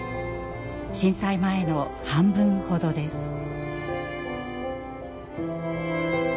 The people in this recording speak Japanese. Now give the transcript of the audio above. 震災前の半分ほどです。